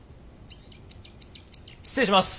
失礼します！